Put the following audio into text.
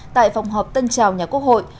tại phòng họp tân trào nhà quốc hội